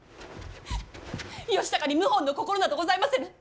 義高に謀反の心などございませぬ。